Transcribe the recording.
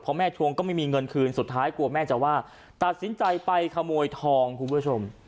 พอแม่ทวงก็ไม่มีเงินคืนสุดท้ายกลัวแม่จะว่าตัดสินใจไปขโมยทองคุณผู้ชม